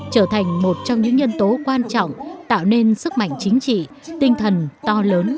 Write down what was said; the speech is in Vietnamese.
trở thành một trong những nhân tố quan trọng tạo nên sức mạnh chính trị tinh thần to lớn